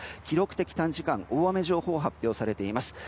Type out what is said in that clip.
記録的短時間大雨情報が発表されています。